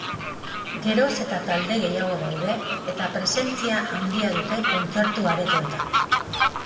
Geroz eta talde gehiago daude, eta presentzia handia dute kontzertu aretoetan.